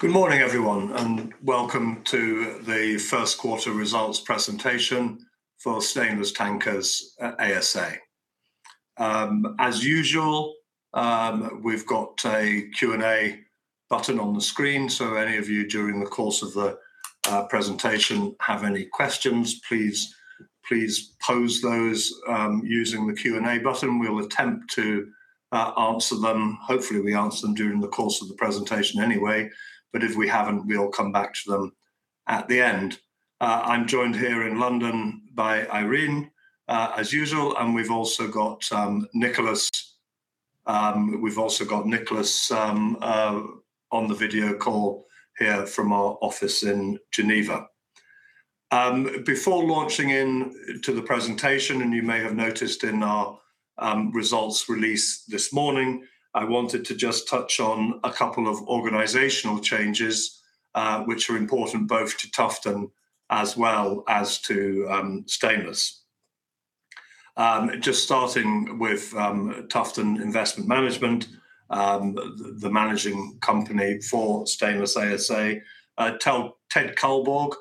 Good morning, everyone, welcome to the first quarter results presentation for Stainless Tankers ASA. As usual, we've got a Q&A button on the screen, any of you during the course of the presentation have any questions, please pose those using the Q&A button. We'll attempt to answer them. Hopefully, we answer them during the course of the presentation anyway, if we haven't, we'll come back to them at the end. I'm joined here in London by Irene, as usual, we've also got Nicolas. We've also got Nicolas on the video call here from our office in Geneva. Before launching into the presentation, and you may have noticed in our results release this morning, I wanted to just touch on a couple of organizational changes, which are important both to Tufton as well as to Stainless. Just starting with Tufton Investment Management, the managing company for Stainless Tankers ASA, Ted Kalborg,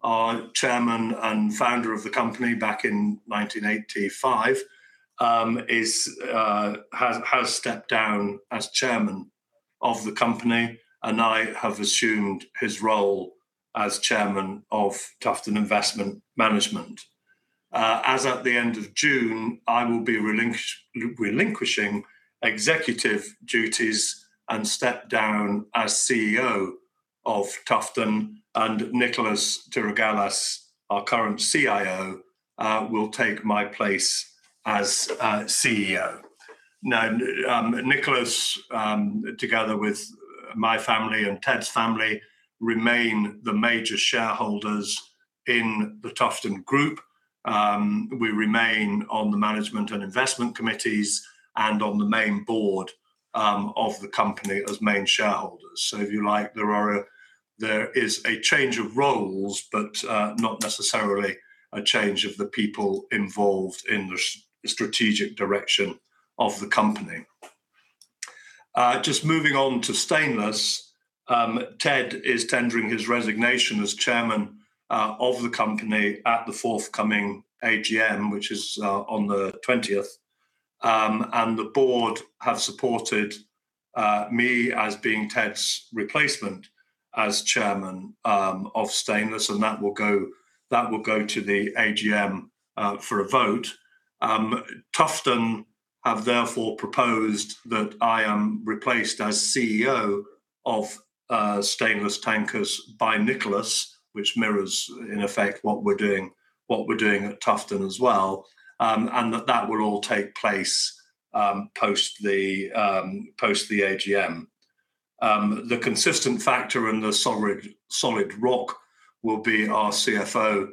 our Chairman and Founder of the company back in 1985, has stepped down as Chairman of the company, and I have assumed his role as Chairman of Tufton Investment Management. As at the end of June, I will be relinquishing executive duties and step down as CEO of Tufton, and Nicolas Tirogalas, our current CIO, will take my place as CEO. Nicolas, together with my family and Ted's family, remain the major shareholders in the Tufton Group. We remain on the management and investment committees and on the main board of the company as main shareholders. If you like, there is a change of roles, but not necessarily a change of the people involved in the strategic direction of the company. Just moving on to Stainless. Ted is tendering his resignation as Chairman of the company at the forthcoming AGM, which is on the 20th. The board have supported me as being Ted's replacement as Chairman of Stainless, and that will go to the AGM for a vote. Tufton have therefore proposed that I am replaced as CEO of Stainless Tankers by Nicolas, which mirrors in effect what we're doing at Tufton as well. That will all take place post the AGM. The consistent factor and the solid rock will be our CFO,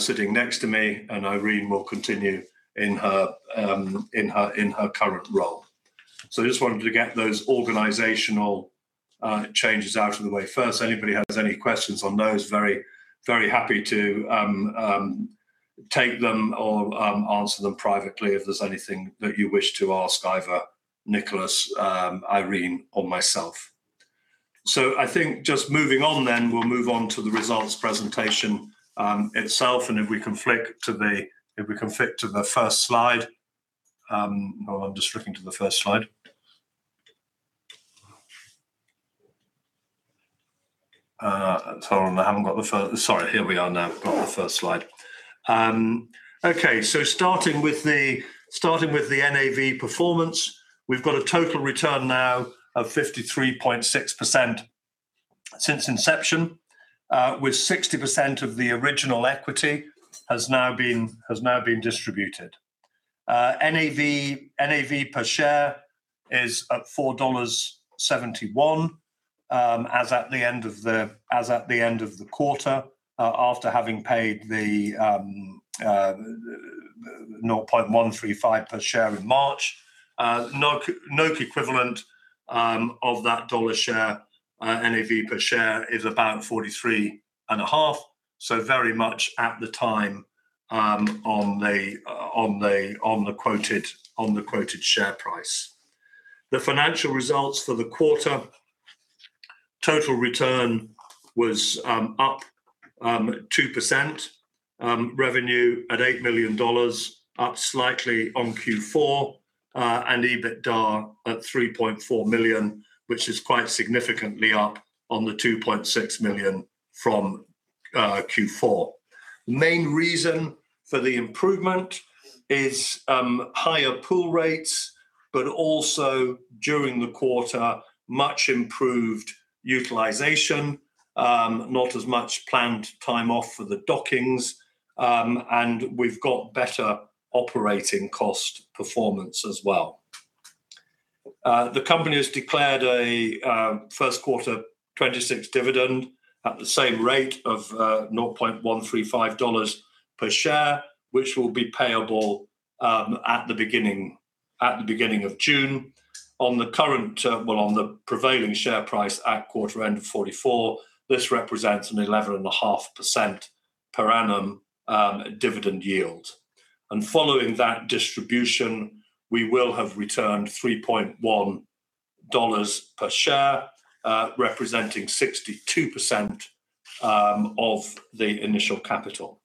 sitting next to me. Irene will continue in her current role. I just wanted to get those organizational changes out of the way first. Anybody has any questions on those, very happy to take them or answer them privately if there's anything that you wish to ask either Nicolas, Irene or myself. I think just moving on then, we'll move on to the results presentation itself, and if we can flick to the first slide. Well, I'm just flipping to the first slide. Hold on. Sorry, here we are now. Got the first slide. Okay, starting with the NAV performance, we've got a total return now of 53.6% since inception, with 60% of the original equity has now been distributed. NAV per share is at $4.71 as at the end of the quarter, after having paid the $0.135 per share in March. $ equivalent of that dollar share NAV per share is about $43.5, so very much at the time on the quoted share price. The financial results for the quarter, total return was up 2%. Revenue at $8 million, up slightly on Q4, and EBITDA at $3.4 million, which is quite significantly up on the $2.6 million from Q4. Main reason for the improvement is higher pool rates, but also during the quarter, much improved utilization, not as much planned time off for the dockings, and we've got better operating cost performance as well. The company has declared a first quarter 2026 dividend at the same rate of $0.135 per share, which will be payable at the beginning of June. On the prevailing share price at quarter end of 44, this represents an 11.5% per annum dividend yield. Following that distribution, we will have returned $3.1 per share, representing 62% of the initial capital.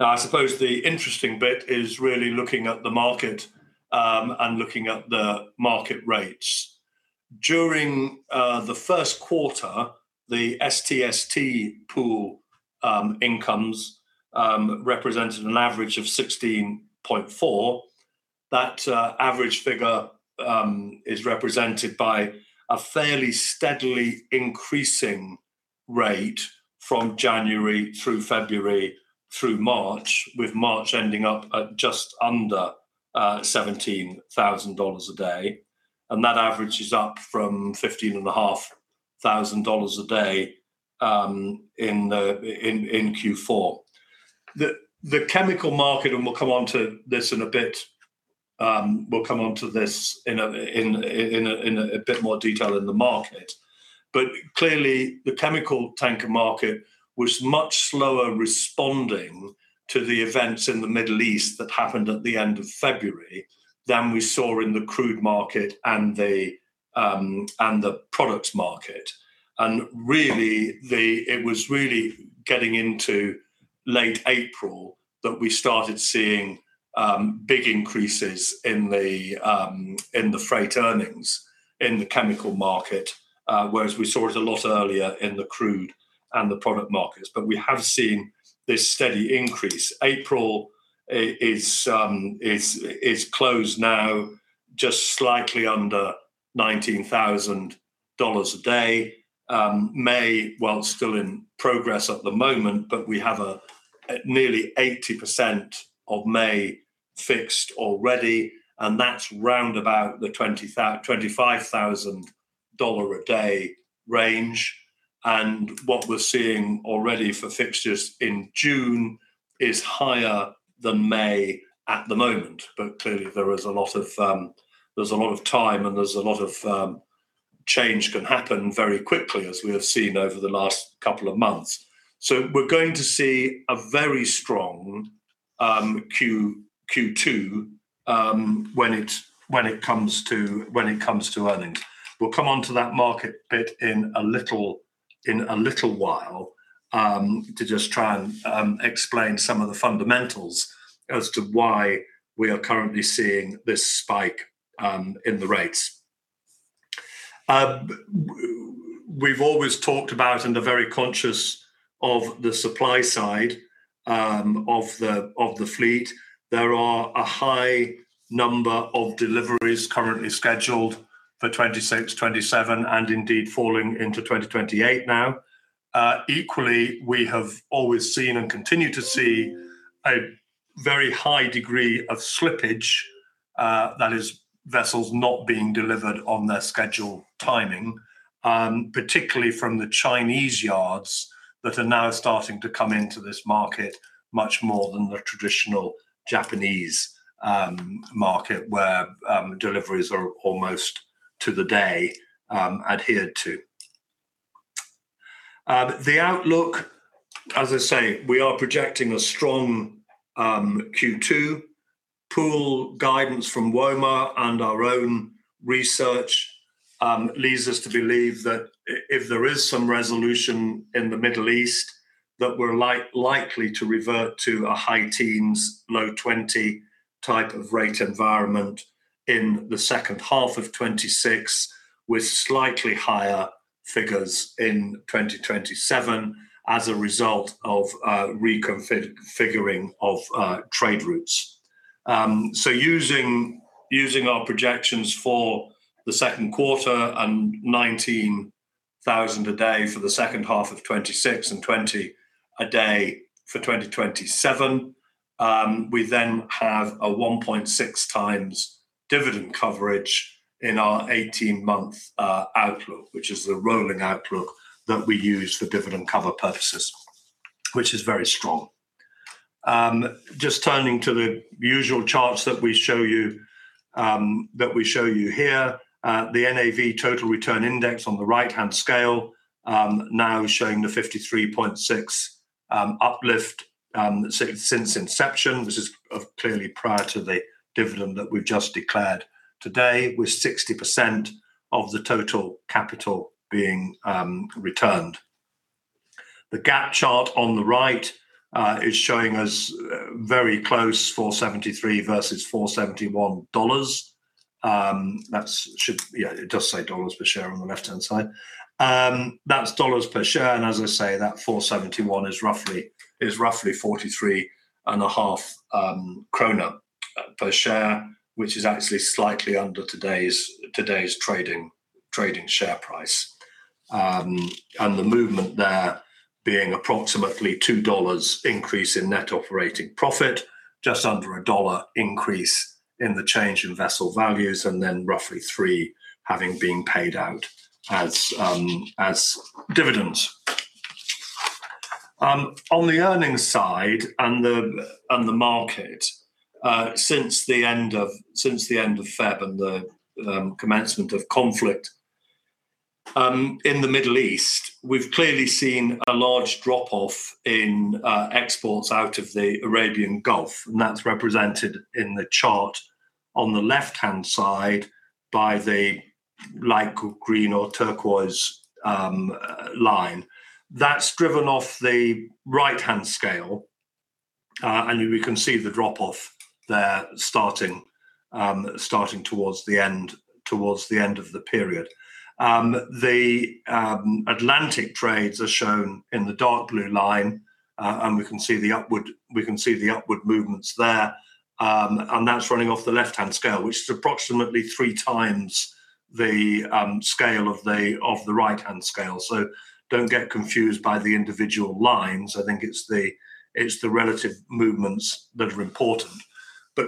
Now, I suppose the interesting bit is really looking at the market and looking at the market rates. During the first quarter, the STST Pool incomes represented an average of 16.4. That average figure is represented by a fairly steadily increasing rate from January through February through March, with March ending up at just under $17,000 a day, and that average is up from $15,500 a day in Q4. The chemical market, and we'll come onto this in a bit, we'll come onto this in a bit more detail in the market. Clearly the chemical tanker market was much slower responding to the events in the Middle East that happened at the end of February than we saw in the crude market and the products market. It was really getting into late April that we started seeing big increases in the freight earnings in the chemical market, whereas we saw it a lot earlier in the crude and the product markets, but we have seen this steady increase. April is closed now just slightly under $19,000 a day. May, well, it's still in progress at the moment, but we have nearly 80% of May fixed already, and that's round about the $20,000-$25,000 a day range. What we're seeing already for fixtures in June is higher than May at the moment. Clearly there is a lot of, there's a lot of time and there's a lot of change can happen very quickly, as we have seen over the last couple of months. We're going to see a very strong Q2 when it comes to earnings. We'll come onto that market bit in a little while to just try and explain some of the fundamentals as to why we are currently seeing this spike in the rates. We've always talked about and are very conscious of the supply side of the fleet. There are a high number of deliveries currently scheduled for 2026, 2027, and indeed falling into 2028 now. Equally, we have always seen and continue to see a very high degree of slippage, that is vessels not being delivered on their scheduled timing, particularly from the Chinese yards that are now starting to come into this market much more than the traditional Japanese market where deliveries are almost to the day adhered to. The outlook, as I say, we are projecting a strong Q2 pool guidance from Womar, and our own research leads us to believe that if there is some resolution in the Middle East, that we're likely to revert to a high teens, low 20 type of rate environment in the second half of 2026, with slightly higher figures in 2027 as a result of reconfiguring of trade routes. Using our projections for the second quarter and 19,000 a day for the second half of 2026 and 20 a day for 2027, we have a 1.6 times dividend coverage in our 18-month outlook, which is the rolling outlook that we use for dividend cover purposes, which is very strong. Just turning to the usual charts that we show you, that we show you here, the NAV total return index on the right-hand scale, now showing the 53.6 uplift since inception. This is clearly prior to the dividend that we've just declared today, with 60% of the total capital being returned. The gap chart on the right is showing us very close, $4.73 versus $4.71. It does say dollars per share on the left-hand side. That's dollars per share and as I say, that 471 is roughly $43.5 per share, which is actually slightly under today's trading share price. And the movement there being approximately $2 increase in net operating profit, just under $1 increase in the change in vessel values, and then roughly three having been paid out as dividends. On the earnings side and the market, since the end of February and the commencement of conflict in the Middle East, we've clearly seen a large drop-off in exports out of the Arabian Gulf, and that's represented in the chart on the left-hand side by the light green or turquoise line. That's driven off the right-hand scale. We can see the drop-off there starting towards the end, towards the end of the period. The Atlantic trades are shown in the dark blue line. We can see the upward movements there. That's running off the left-hand scale, which is approximately 3x the scale of the right-hand scale. Don't get confused by the individual lines. I think it's the relative movements that are important.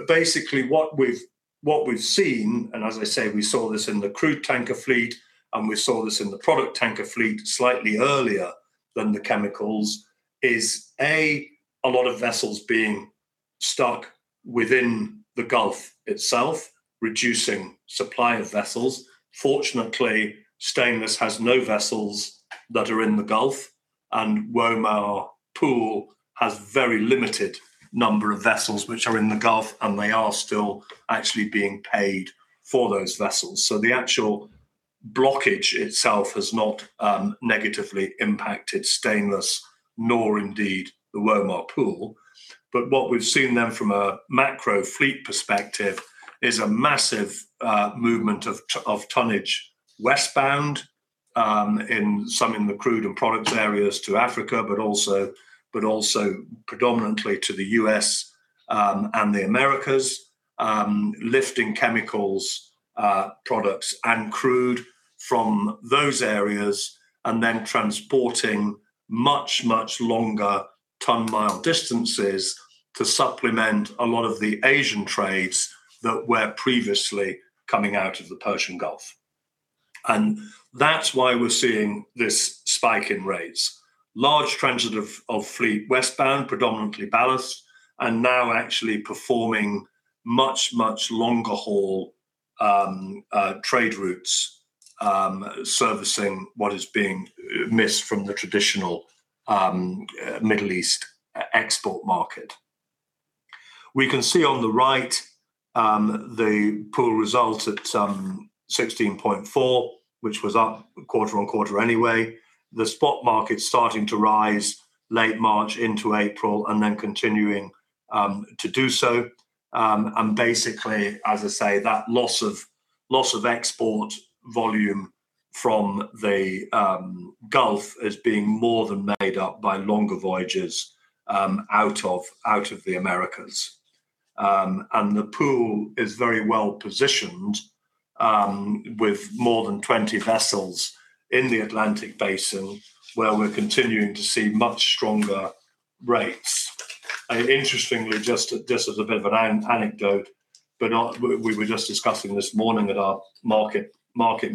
Basically what we've seen, and as I say, we saw this in the crude tanker fleet and we saw this in the product tanker fleet slightly earlier than the chemicals, is a lot of vessels being stuck within the Gulf itself, reducing supply of vessels. Fortunately, Stainless has no vessels that are in the Gulf, and Womar pool has very limited number of vessels which are in the Gulf, and they are still actually being paid for those vessels. The actual blockage itself has not negatively impacted Stainless, nor indeed the Womar pool. What we've seen then from a macro fleet perspective is a massive movement of tonnage westbound in some in the crude and product areas to Africa, but also predominantly to the U.S. and the Americas, lifting chemicals, products and crude from those areas and then transporting much, much longer ton-mile distances to supplement a lot of the Asian trades that were previously coming out of the Persian Gulf. That's why we're seeing this spike in rates. Large transit of fleet westbound, predominantly ballast, now actually performing much longer haul trade routes, servicing what is being missed from the traditional Middle East export market. We can see on the right, the pool result at 16.4, which was up quarter-on-quarter anyway. The spot market's starting to rise late March into April, continuing to do so. Basically, as I say, that loss of export volume from the Gulf is being more than made up by longer voyages out of the Americas. The pool is very well positioned with more than 20 vessels in the Atlantic Basin, where we're continuing to see much stronger rates. Interestingly, just as a bit of an anecdote, but not, we were just discussing this morning at our market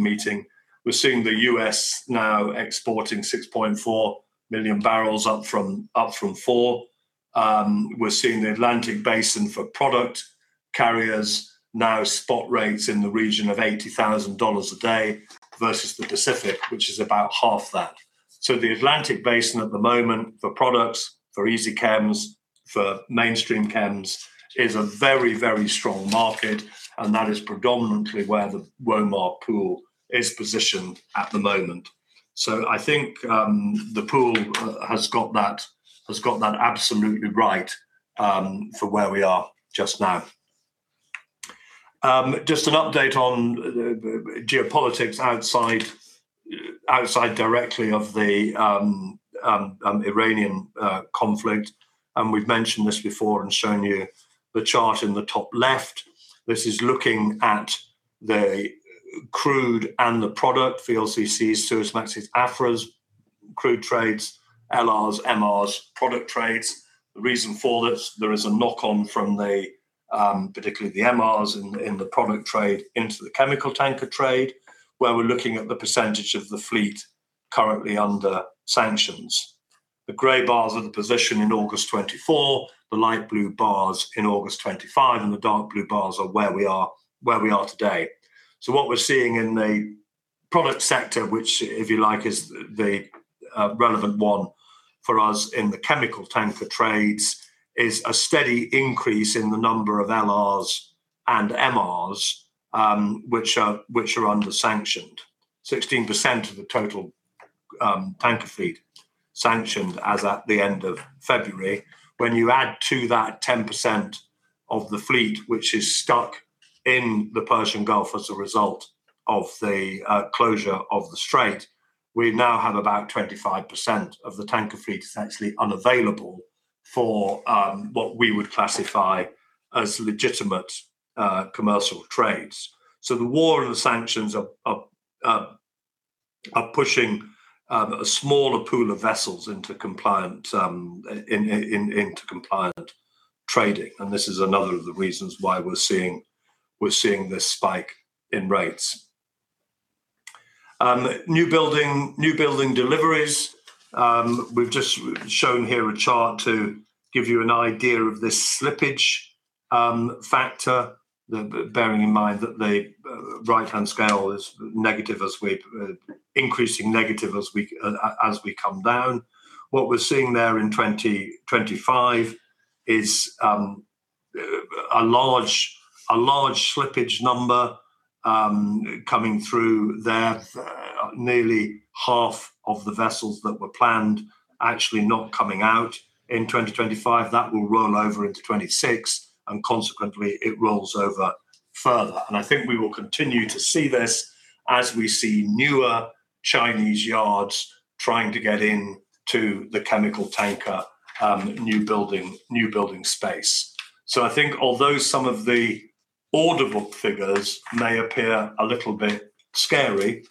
meeting, we're seeing the U.S. now exporting 6.4 million barrels up from four. We're seeing the Atlantic Basin for product carriers now spot rates in the region of $80,000 a day versus the Pacific, which is about half that. The Atlantic Basin at the moment for products, for easy chems, for mainstream chems, is a very, very strong market, and that is predominantly where the Womar Pool is positioned at the moment. I think the pool has got that absolutely right for where we are just now. Just an update on the geopolitics outside directly of the Iranian conflict, and we've mentioned this before and shown you the chart in the top left. This is looking at the crude and the product, VLCCs, Suezmaxes, Aframaxes, crude trades, LRs, MRs, product trades. The reason for this, there is a knock-on from the particularly the MRs in the product trade into the chemical tanker trade, where we're looking at the percentage of the fleet currently under sanctions. The gray bars are the position in August 2024, the light blue bars in August 2025, and the dark blue bars are where we are today. What we're seeing in the product sector, which, if you like, is the relevant one for us in the chemical tanker trades, is a steady increase in the number of LRs and MRs, which are under sanctioned. 16% of the total tanker fleet sanctioned as at the end of February. When you add to that 10% of the fleet which is stuck in the Persian Gulf as a result of the closure of the strait, we now have about 25% of the tanker fleet essentially unavailable for what we would classify as legitimate commercial trades. The war and the sanctions are pushing a smaller pool of vessels into compliant, into compliant trading, and this is another of the reasons why we're seeing this spike in rates. New building deliveries. We've just shown here a chart to give you an idea of the slippage. Bearing in mind that the right-hand scale is negative as we increasing negative as we as we come down, what we're seeing there in 2025 is a large slippage number coming through there. Nearly half of the vessels that were planned actually not coming out in 2025, that will roll over into 2026, and consequently it rolls over further. I think we will continue to see this as we see newer Chinese yards trying to get into the chemical tanker, new building space. I think although some of the order book figures may appear a little bit scary,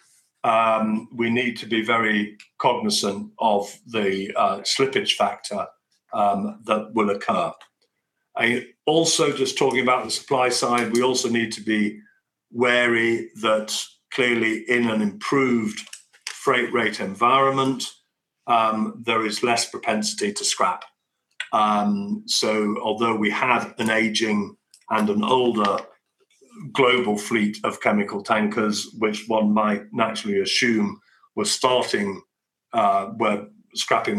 we need to be very cognizant of the slippage factor that will occur. I also just talking about the supply side, we also need to be wary that clearly in an improved freight rate environment, there is less propensity to scrap. So although we have an aging and an older global fleet of chemical tankers, which one might naturally assume where scrapping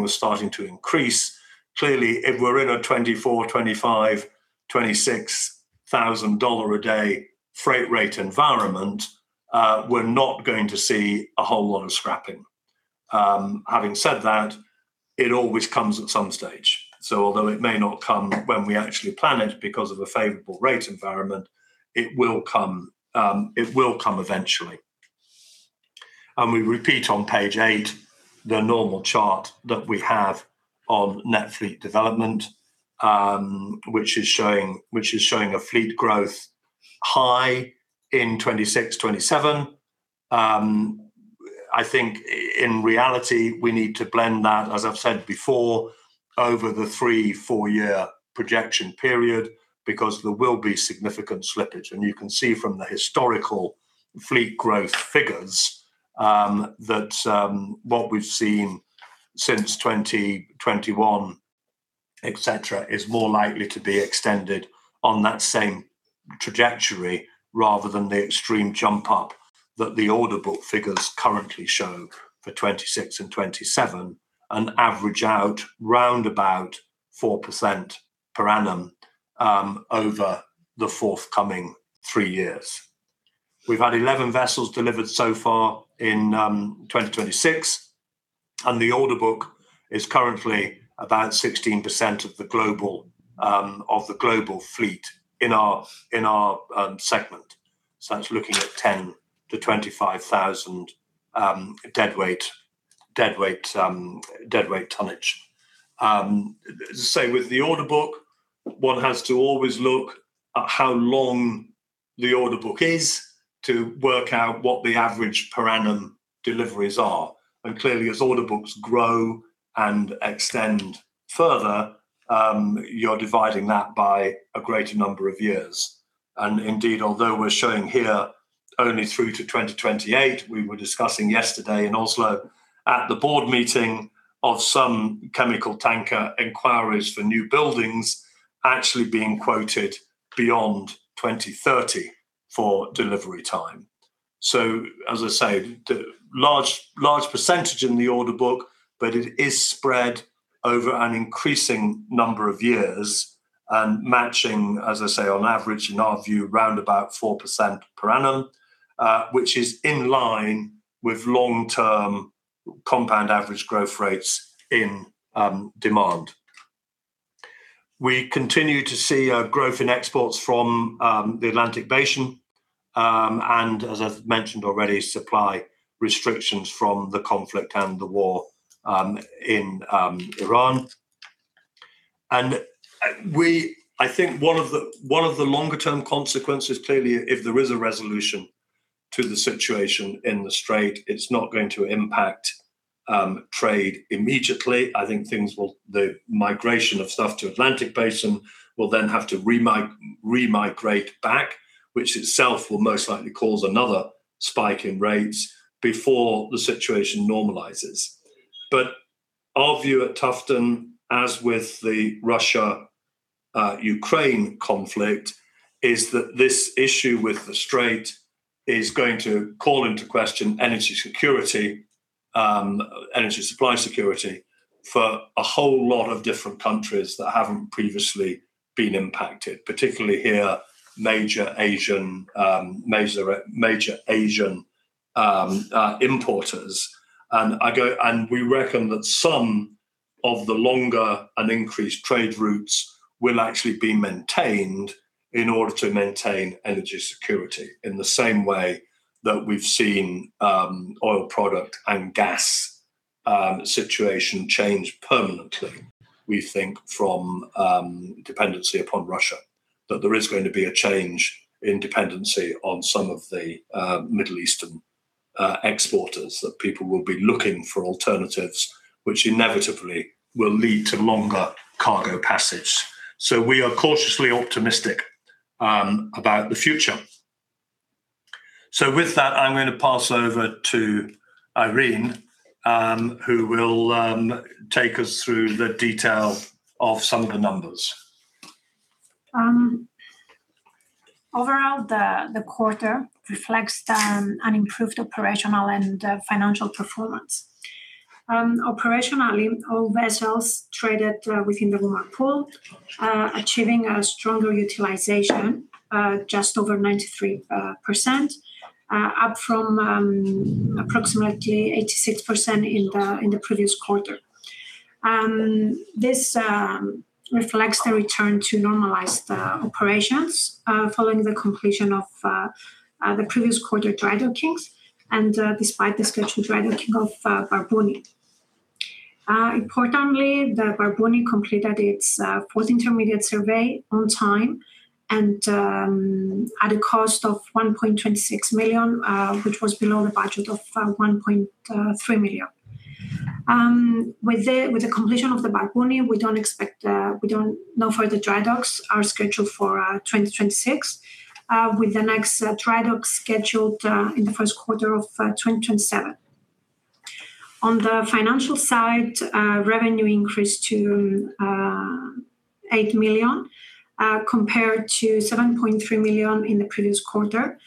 was starting to increase, clearly if we're in a $24,000, $25,000, $26,000 a day freight rate environment, we're not going to see a whole lot of scrapping. Having said that, it always comes at some stage, so although it may not come when we actually plan it because of a favorable rate environment, it will come eventually. We repeat on page 8 the normal chart that we have of net fleet development, which is showing a fleet growth high in 2026, 2027. I think in reality, we need to blend that, as I've said before, over the three, four-year projection period because there will be significant slippage. You can see from the historical fleet growth figures that what we've seen since 2021, et cetera, is more likely to be extended on that same trajectory rather than the extreme jump up that the order book figures currently show for 2026 and 2027, and average out round about 4% per annum over the forthcoming three years. We've had 11 vessels delivered so far in 2026, and the order book is currently about 16% of the global fleet in our segment. So that's looking at 10 to 25,000 deadweight tonnage. As I say, with the order book, one has to always look at how long the order book is to work out what the average per annum deliveries are. Clearly as order books grow and extend further, you're dividing that by a greater number of years. Indeed, although we're showing here only through to 2028, we were discussing yesterday in Oslo at the board meeting of some chemical tanker inquiries for new buildings actually being quoted beyond 2030 for delivery time. As I say, the large percentage in the order book, but it is spread over an increasing number of years and matching, as I say, on average, in our view, round about 4% per annum, which is in line with long-term compound average growth rates in demand. We continue to see a growth in exports from the Atlantic Basin, and as I've mentioned already, supply restrictions from the conflict and the war in Iran. I think one of the longer term consequences, clearly if there is a resolution to the situation in the Strait of Hormuz, it's not going to impact trade immediately. I think things will, the migration of stuff to Atlantic Basin will then have to remigrate back, which itself will most likely cause another spike in rates before the situation normalizes. Our view at Tufton, as with the Russia-Ukraine conflict, is that this issue with the Strait of Hormuz is going to call into question energy security, energy supply security for a whole lot of different countries that haven't previously been impacted, particularly here major Asian importers. We reckon that some of the longer and increased trade routes will actually be maintained in order to maintain energy security in the same way that we've seen oil product and gas situation change permanently, we think, from dependency upon Russia, that there is going to be a change in dependency on some of the Middle Eastern exporters, that people will be looking for alternatives, which inevitably will lead to longer cargo passage. We are cautiously optimistic about the future. With that, I'm gonna pass over to Irene, who will take us through the detail of some of the numbers. Overall, the quarter reflects an improved operational and financial performance. Operationally, all vessels traded within the Womar pool, achieving a stronger utilization, just over 93%, up from approximately 86% in the previous quarter. This reflects the return to normalized operations, following the completion of the previous quarter dry dockings and despite the scheduled dry docking of Barbouni. Importantly, the Barbouni completed its fourth intermediate survey on time and at a cost of $1.26 million, which was below the budget of $1.3 million. With the completion of the Barbouni, no further dry docks are scheduled for 2026, with the next dry dock scheduled in the first quarter of 2027. On the financial side, revenue increased to $8 million compared to $7.3 million in the previous quarter,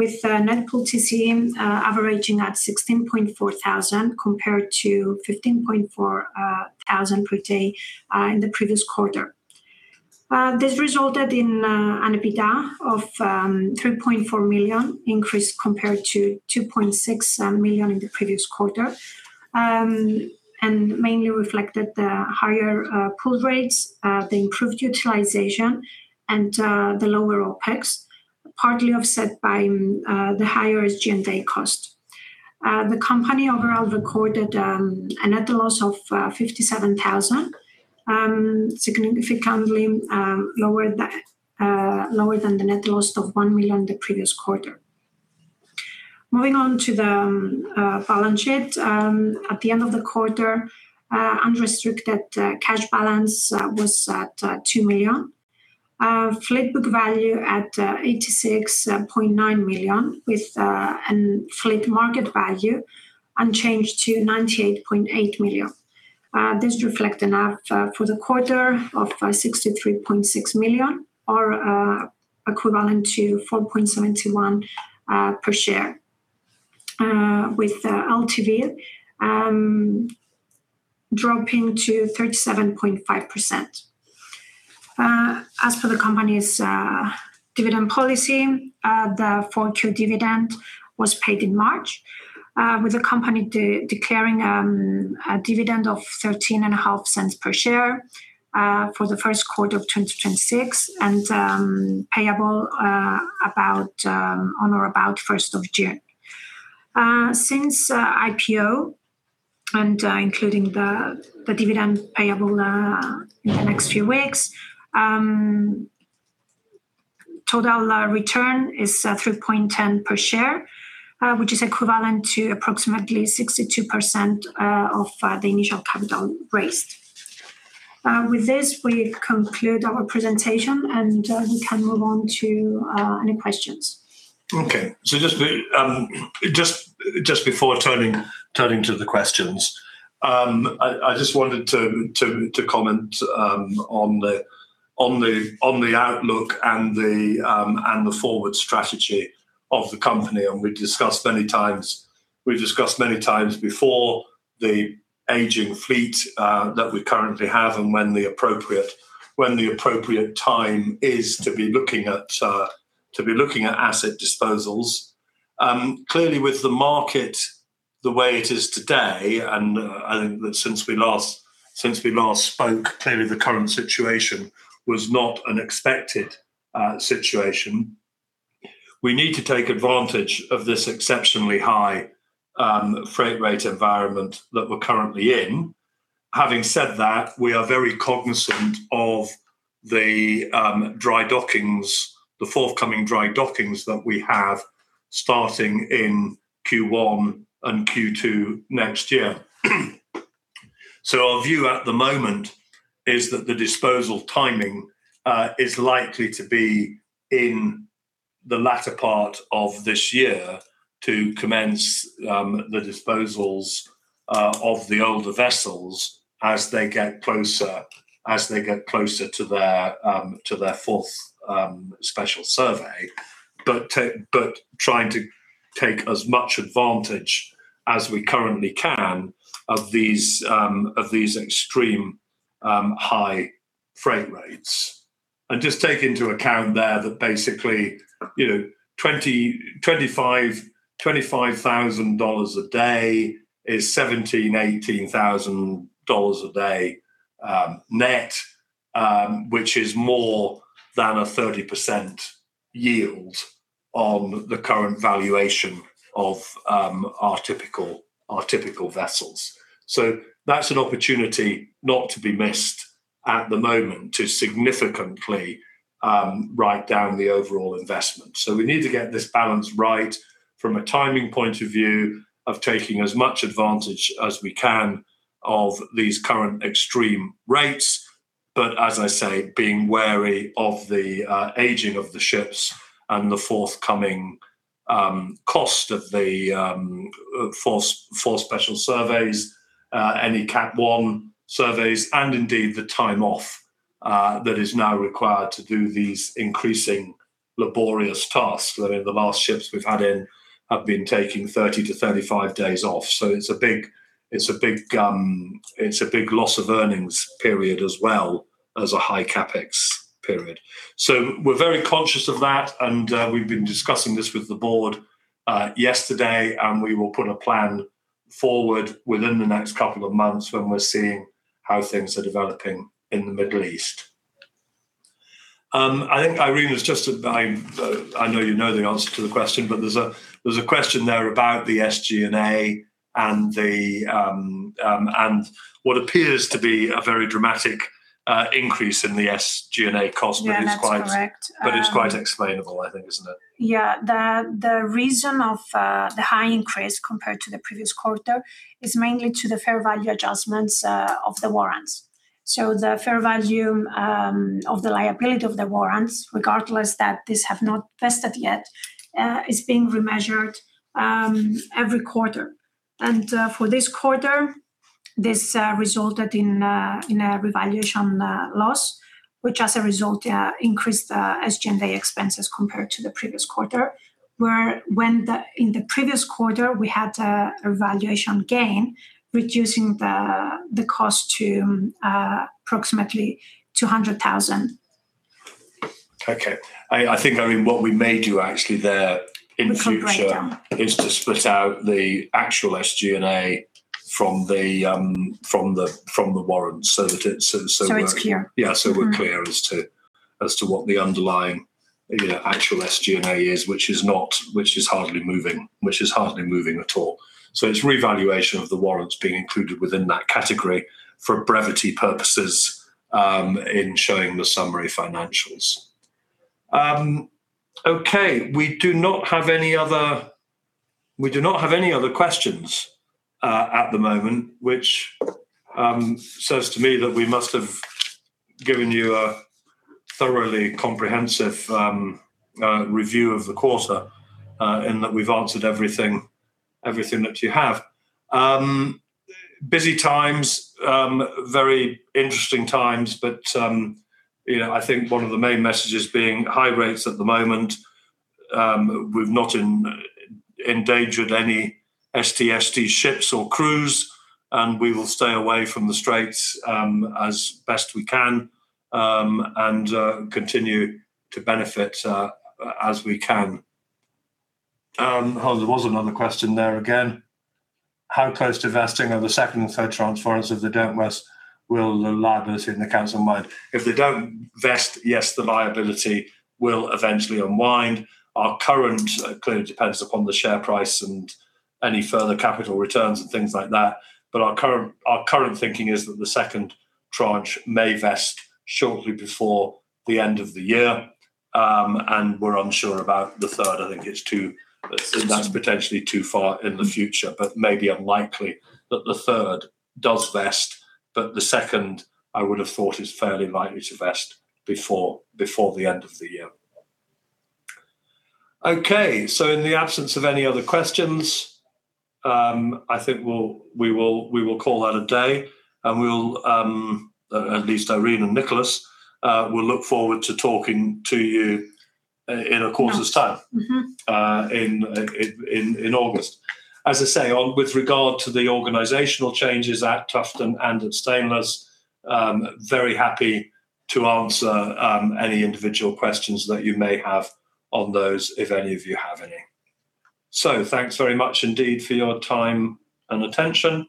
with net pool TCE averaging at $16.4 thousand compared to $15.4 thousand per day in the previous quarter. This resulted in an EBITDA of $3.4 million increase compared to $2.6 million in the previous quarter, and mainly reflected the higher pool rates, the improved utilization, and the lower OpEx, partly offset by the higher SG&A cost. The company overall recorded a net loss of $57,000, significantly lower than the net loss of $1 million the previous quarter. Moving on to the balance sheet. At the end of the quarter, unrestricted cash balance was at $2 million. Fleet book value at $86.9 million with an fleet market value unchanged to $98.8 million. This reflect an NAV for the quarter of $63.6 million or equivalent to $4.71 per share, with LTV dropping to 37.5%. As for the company's dividend policy, the full Q dividend was paid in March, with the company declaring a dividend of $0.135 per share for the first quarter of 2026 and payable on or about first of June. Since IPO and including the dividend payable in the next few weeks, total return is $3.10 per share, which is equivalent to approximately 62% of the initial capital raised. With this, we conclude our presentation. We can move on to any questions. Just before turning to the questions, I just wanted to comment on the outlook and the forward strategy of the company. We've discussed many times before the aging fleet that we currently have and when the appropriate time is to be looking at asset disposals. Clearly with the market the way it is today, I think that since we last spoke, clearly the current situation was not an expected situation. We need to take advantage of this exceptionally high freight rate environment that we're currently in. Having said that, we are very cognizant of the dry dockings, the forthcoming dry dockings that we have starting in Q1 and Q2 next year. Our view at the moment is that the disposal timing is likely to be in the latter part of this year to commence the disposals of the older vessels as they get closer to their 4th special survey. Trying to take as much advantage as we currently can of these extreme high freight rates. Just take into account there that basically, you know, $25,000 a day is $17,000-$18,000 a day net, which is more than a 30% yield on the current valuation of our typical vessels. That's an opportunity not to be missed at the moment to significantly write down the overall investment. We need to get this balance right from a timing point of view of taking as much advantage as we can of these current extreme rates. As I say, being wary of the aging of the ships and the forthcoming cost of the four special surveys, any CAP 1 surveys, and indeed the time off that is now required to do these increasing laborious tasks. I mean, the last ships we've had in have been taking 30-35 days off, so it's a big loss of earnings period as well as a high CapEx period. We're very conscious of that, and we've been discussing this with the board yesterday, and we will put a plan forward within the next couple of months when we're seeing how things are developing in the Middle East. I think Irene was just I know you know the answer to the question, but there's a question there about the SG&A and what appears to be a very dramatic increase in the SG&A cost. Yeah, that's correct. It's quite explainable I think, isn't it? Yeah. The reason of the high increase compared to the previous quarter is mainly to the fair value adjustments of the warrants. The fair value of the liability of the warrants, regardless that these have not vested yet, is being remeasured every quarter. For this quarter, this resulted in a revaluation loss, which as a result increased SG&A expenses compared to the previous quarter, in the previous quarter, we had a revaluation gain, reducing the cost to approximately $200,000. Okay. I think, Irene, what we may do actually there in future. We could break down. is to split out the actual SG&A from the warrant so that it's It's clear. Yeah.as to what the underlying, you know, actual SG&A is, which is hardly moving at all. It's revaluation of the warrants being included within that category for brevity purposes, in showing the summary financials. Okay. We do not have any other questions at the moment, which says to me that we must have given you a thoroughly comprehensive review of the quarter, in that we've answered everything that you have. Busy times, very interesting times, you know, I think one of the main messages being high rates at the moment. We've not endangered any STST ships or crews, and we will stay away from the Straits as best we can, and continue to benefit as we can. Hold on. There was another question there again. "How close to vesting of the second and third tranches of the debt warrants will the liability and accounts unwind?" If they don't vest, yes, the liability will eventually unwind. Our current, clearly depends upon the share price and any further capital returns and things like that, but our current thinking is that the second tranche may vest shortly before the end of the year. We're unsure about the third. It's- That's potentially too far in the future, but maybe unlikely that the third does vest. The second, I would have thought is fairly likely to vest before the end of the year. Okay. In the absence of any other questions, I think we'll call that a day, and we'll at least Irene and Nicholas will look forward to talking to you in a quarter's time. Yeah. Mm-hmm. in August. As I say, on, with regard to the organizational changes at Tufton and at Stainless, very happy to answer any individual questions that you may have on those if any of you have any. Thanks very much indeed for your time and attention,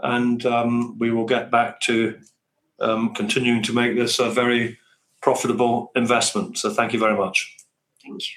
and we will get back to continuing to make this a very profitable investment. Thank you very much. Thanks.